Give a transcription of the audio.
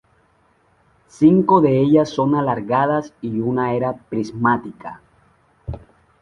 Cinco de ellas son alargadas y una era prismática.